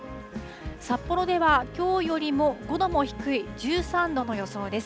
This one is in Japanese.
札幌ではきょうよりも５度も低い１３度の予想です。